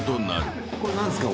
これ何すか？